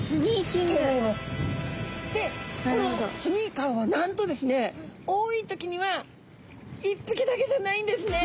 このスニーカーはなんとですね多い時には１ぴきだけじゃないんですね。